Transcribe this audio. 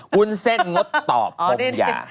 วุ้นเส้นงดต่อกงอยา